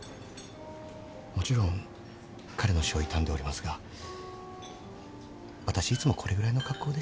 もちろん彼の死を悼んでおりますが私いつもこれぐらいの格好でして。